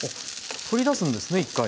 取り出すんですね一回。